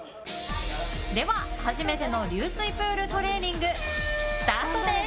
では、初めての流水プールトレーニングスタートです。